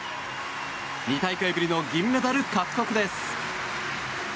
２大会ぶりの銀メダル獲得です。